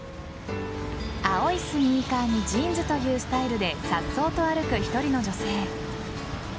青いスニーカーにジーンズというスタイルで颯爽と歩く１人の女性。